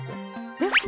えっ？